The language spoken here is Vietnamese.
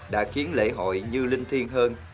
đã khiến lễ hội như linh thiên hơn